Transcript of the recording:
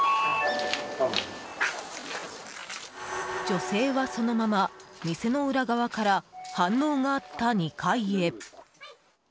女性は、そのまま店の裏側から反応があった２階へ。